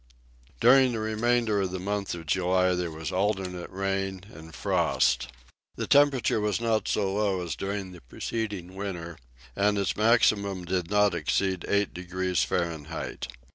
During the remainder of the month of July there was alternate rain and frost. The temperature was not so low as during the preceding winter, and its maximum did not exceed eight degrees Fahrenheit.